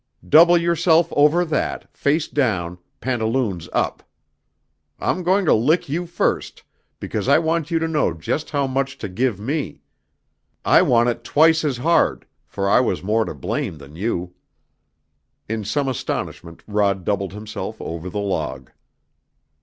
Double yourself over that, face down, pantaloons up. I'm going to lick you first because I want you to know just how much to give me. I want it twice as hard, for I was more to blame than you." In some astonishment Rod doubled himself over the log.